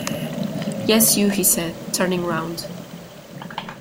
"Yes, you," he said, turning round.